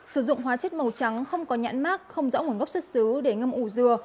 sử dụng hóa chất màu trắng không có nhãn mát không rõ nguồn gốc xuất xứ để ngâm ủ dừa